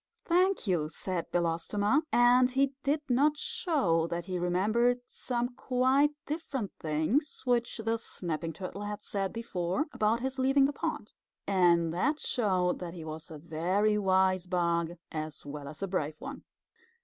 "Thank you," said Belostoma, and he did not show that he remembered some quite different things which the Snapping Turtle had said before, about his leaving the pond. And that showed that he was a very wise bug as well as a brave one.